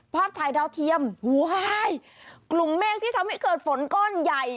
ภาพถ่ายดาวเทียมกลุ่มเมฆที่ทำให้เกิดฝนก้อนใหญ่